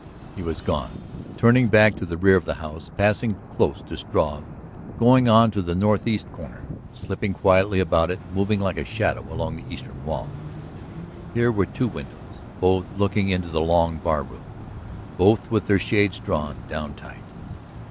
He was gone, turning back to the rear of the house, passing close to Struve, going on to the northeast corner, slipping quietly about it, moving like a shadow along the eastern wall. Here were two windows, both looking into the long barroom, both with their shades drawn down tight.